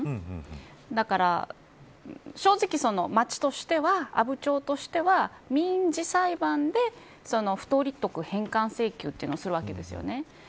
仮にっておっしゃった点だから正直、町としては阿武町としては民事裁判で不当利得返還請求というのをするわけですよね。